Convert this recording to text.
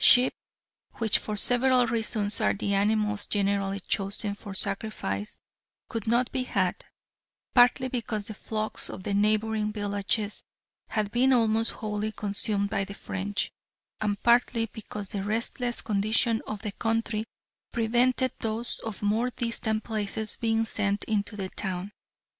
Sheep, which for several reasons are the animals generally chosen for sacrifice, could not be had, partly because the flocks of the neighbouring villages had been almost wholly consumed by the French and partly because the restless condition of the country prevented those of more distant places being sent into the town.